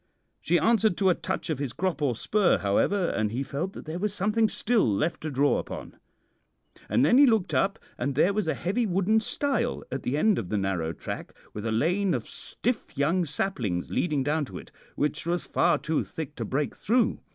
She answered to a touch of his crop or spur, however, and he felt that there was something still left to draw upon. And then he looked up, and there was a heavy wooden stile at the end of the narrow track, with a lane of stiff young saplings leading down to it, which was far too thick to break through.